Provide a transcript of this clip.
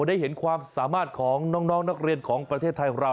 ได้เห็นความสามารถของน้องนักเรียนของประเทศไทยของเรา